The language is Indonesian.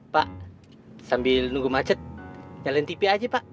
pa sambil nunggu macet nyalain tv aja pa